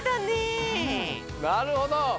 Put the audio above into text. なるほど。